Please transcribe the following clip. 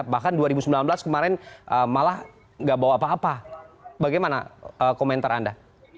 bahkan dua ribu sembilan belas kemarin malah nggak bawa apa apa bagaimana komentar anda